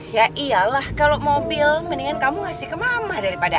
ya iyalah kalo mobil mendingan kamu kasih ke mama daripada